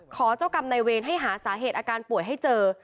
ขอเจ้ากรรมในเวรให้หาสาเหตุอาการป่วยให้เจอ